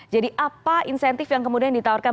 jadi apa insentif yang kemudian ditawarkan